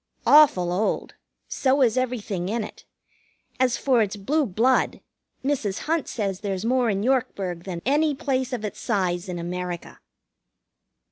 Awful old; so is everything in it. As for its blue blood, Mrs. Hunt says there's more in Yorkburg than any place of its size in America.